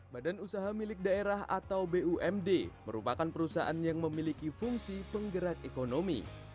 badan usaha milik daerah atau bumd merupakan perusahaan yang memiliki fungsi penggerak ekonomi